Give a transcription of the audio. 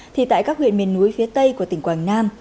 thì tại các huyện miền núi phía tây của tỉnh quảng nam